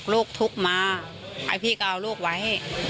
ลูกทุกข์มาให้พี่ก็เอาลูกไว้